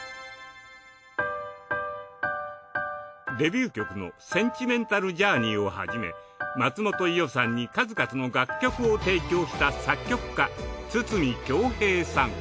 デビュー曲の『センチメンタル・ジャーニー』をはじめ松本伊代さんに数々の楽曲を提供した作曲家筒美京平さん。